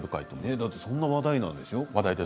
だってそんなに話題なんでしょ。